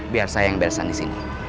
biar saya yang beresan di sini